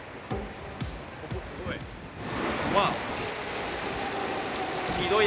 ここすごい！